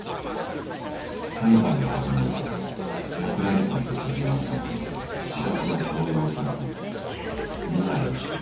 裁判が始まると桜井さんと杉山さんは「自白は強要された」と無罪を主張。